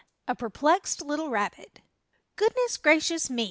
A PERPLEXED LITTLE RABBIT "GOODNESS gracious me!"